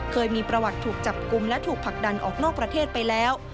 เคยมีประวัติถูกจับกลุ่มและถูกผลักดันออกนอกประเทศไปแล้ว